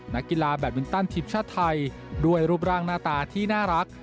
นักกีฬาแบตมินตันทีมชาติไทยด้วยรูปร่างหน้าตาที่น่ารัก